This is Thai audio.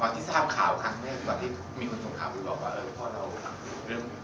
ตอนที่ทราบข่าวครั้งแรก